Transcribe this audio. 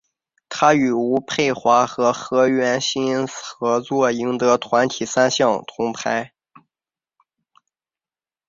他与吴蓓华和何苑欣合作赢得团体三项赛铜牌。